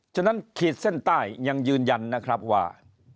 ฉะนั้นขีดเส้นใต้ยังยืนยันนะครับว่า